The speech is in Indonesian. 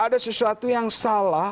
ada sesuatu yang salah